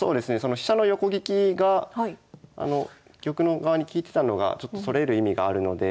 飛車の横利きが玉の側に利いてたのがちょっとそれる意味があるので。